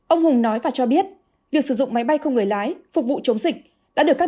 ông hùng nói và cho biết việc sử dụng máy bay không người lái phục vụ chống dịch đã được các